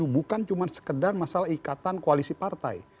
bukan cuma sekedar masalah ikatan koalisi partai